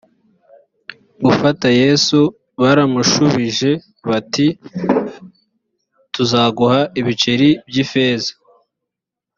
gufata yesu baramushubije bati tuzaguha ibiceri byi ifeza